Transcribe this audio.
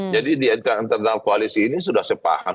jadi di internal koalisi ini sudah sepaham